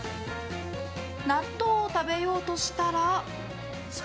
納豆を食べようとしたら。